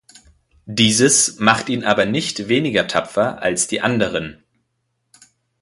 Dieses macht ihn aber nicht weniger tapfer als die anderen.